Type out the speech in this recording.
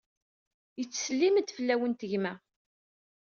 Yettsellim-d fell-awent gma.